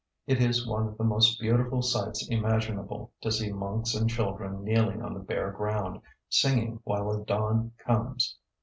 It is one of the most beautiful sights imaginable to see monks and children kneeling on the bare ground, singing while the dawn comes.